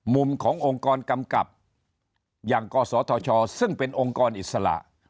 มุมขององค์กรกำกับอย่างกศธชซึ่งเป็นองค์กรอิสระ